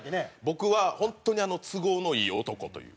僕は本当に都合のいい男という。